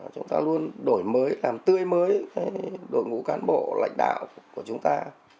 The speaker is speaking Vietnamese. chúng ta luôn đổi mới làm tươi mới đội ngũ cán bộ lãnh đạo của chúng ta